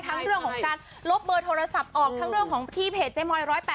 เรื่องของการลบเบอร์โทรศัพท์ออกทั้งเรื่องของที่เพจเจ๊มอย๑๘